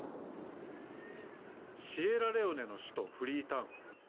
シエラレオネの首都フリータウン。